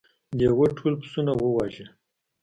لیوه ټول پسونه وواژه.